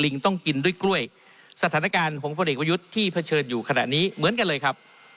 ต้องกินด้วยกล้วยสถานการณ์ของพลเอกประยุทธ์ที่เผชิญอยู่ขณะนี้เหมือนกันเลยครับ